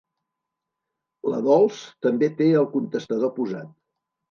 La Dols també té el contestador posat.